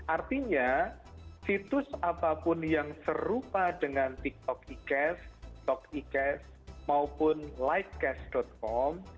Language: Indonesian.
artinya situs apapun yang serupa dengan tiktok icash tok icash maupun livecash com